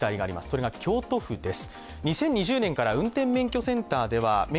それが京都府です。